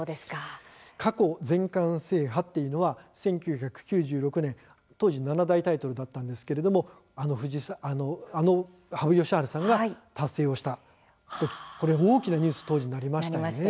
過去、全冠制覇というのは１９９６年当時７大タイトルだったんですけれども、あの羽生善治さんが達成をしたときこれ大きなニュースに当時なりましたね。